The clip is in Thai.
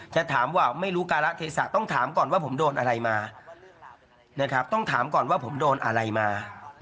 จะถามว่าไม่รู้การะเทศะต้องถามก่อนว่าผมโดนอะไรมาต้องถามก่อนว่าผมโดนอะไรมา